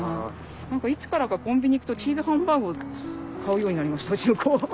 何かいつからかコンビニ行くとチーズハンバーグを買うようになりましたうちの子。